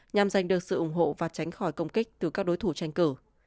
nhằm giành được sự ủng hộ và tránh khỏi công kích từ các đối thủ tranh cử